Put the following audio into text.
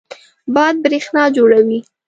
باد برېښنا جوړوي.